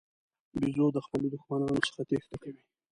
بیزو د خپلو دښمنانو څخه تېښته کوي.